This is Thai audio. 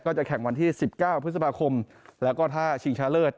จะแข่งวันที่๑๙พฤษภาคมแล้วก็ถ้าชิงชนะเลิศ